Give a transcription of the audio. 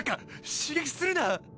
刺激するな。